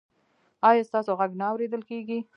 ایا ستاسو غږ نه اوریدل کیږي؟